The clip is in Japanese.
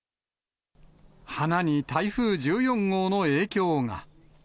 花に台風１４号の影響が。